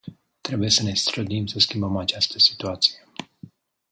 Trebuie să ne străduim să schimbăm această situație.